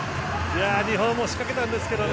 日本も仕掛けたんですけどね。